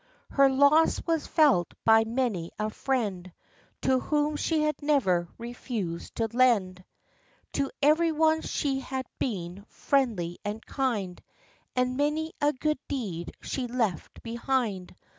Her loss was felt by many a friend, To whom she had never refused to lend. To every one she had been friendly and kind, And many a good deed she left behind.